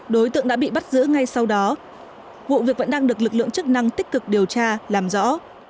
đối tượng đã bị bắt giữ ngay sau đó vụ việc vẫn đang được lực lượng chức năng tích cực điều tra làm rõ